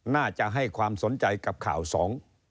น่าจะให้ความสนใจกับข่าวสอง